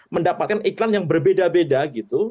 mendapatkan iklan yang berbeda beda gitu